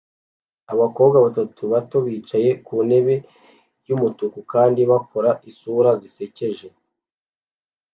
Abakobwa batatu bato bicaye ku ntebe yumutuku kandi bakora isura zisekeje